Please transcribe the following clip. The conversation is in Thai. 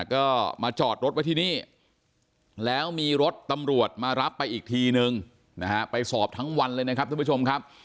ก็มาจอดรถไว้ที่นี่แล้วมีรถตำรวจมารับไปอีกทีนึงนะฮะไปสอบทั้งวันเลยนะครับท่านผู้ชมครับ